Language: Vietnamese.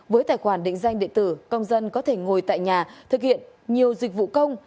với tài khoản định danh điện tử công dân có thể ngồi tại nhà thực hiện nhiều dịch vụ công